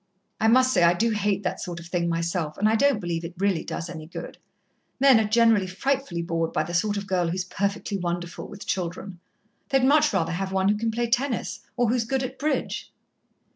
I must say I do hate that sort of thing myself, and I don't believe it really does any good. Men are generally frightfully bored by the sort of girl who's 'perfectly wonderful with children.' They'd much rather have one who can play tennis, or who's good at bridge."